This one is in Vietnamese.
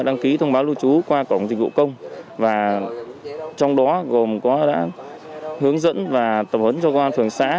đăng ký thông báo lưu trú qua cổng dịch vụ công và trong đó gồm có hướng dẫn và tập hấn cho công an thường xã